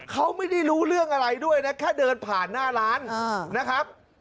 เขาไม่ได้รู้เรื่องอะไรด้วยนะแค่เดินผ่านหน้าร้านนะครับ